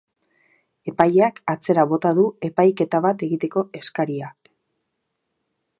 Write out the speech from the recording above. Epaileak atzera bota du epaiketa bat egiteko eskaria.